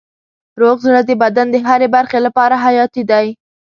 روغ زړه د بدن د هرې برخې لپاره حیاتي دی.